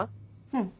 うん。